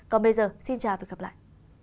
còn bây giờ xin chào và hẹn gặp lại